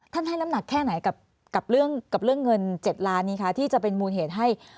ให้น้ำหนักแค่ไหนกับเรื่องเงิน๗ล้านนี้คะที่จะเป็นมูลเหตุให้